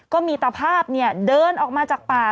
ก็มีตภาพเดินออกมาจากป่า